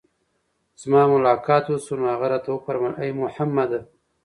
زما ملاقات وشو، نو هغه راته وفرمايل: اې محمد!